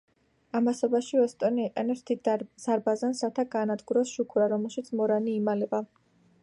ამასობაში უოტსონი იყენებს დიდ ზარბაზანს, რათა გაანადგუროს შუქურა, რომელშიც მორანი იმალება.